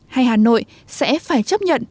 hay hà nội sẽ phải chấp nhận